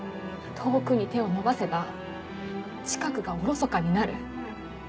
遠くに手を伸ばせば近くがおろそかになる。